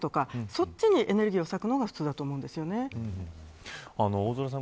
そっちにエネルギーを割くのが大空さん